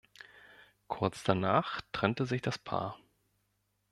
Kurz danach trennte sich das Paar.